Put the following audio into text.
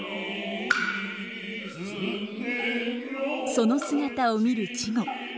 その姿を見る稚児。